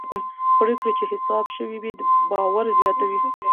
پرېکړې چې حساب شوي وي باور زیاتوي